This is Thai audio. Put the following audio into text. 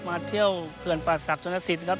มาเที่ยวเขื่อนป่าศักดิ์ชนลสิทธิ์นะครับ